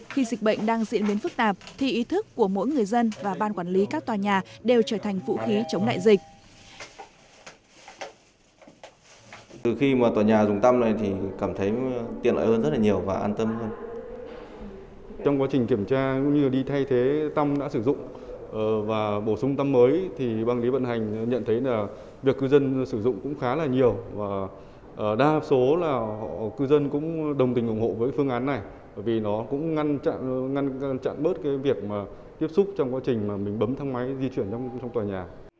khi dịch bệnh đang diễn biến phức tạp thì ý thức của mỗi người dân và ban quản lý các tòa nhà đều trở thành vũ khí chống đại dịch